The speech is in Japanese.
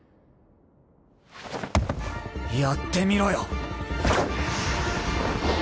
やってみろよ。